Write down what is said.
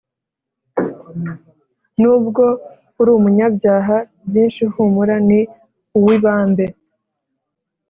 Nubwo uri umunyabyaha byinshi humura ni uwibambe